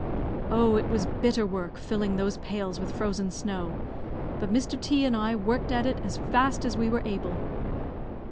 Oh! it was bitter work filling those pails with frozen snow; but Mr. T and I worked at it as fast as we were able.